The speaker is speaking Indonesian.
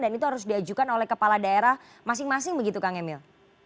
dan itu harus diajukan oleh kepala daerah masing masing begitu kang emil